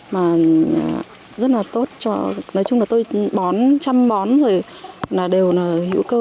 mà rất là tốt cho nói chung là tôi bón chăm bón rồi là đều là hữu cơ